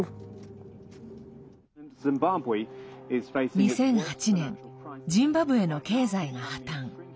２００８年ジンバブエの経済が破綻。